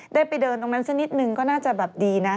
ได้ไปเดินตรงนั้นสักนิดนึงก็น่าจะแบบดีนะ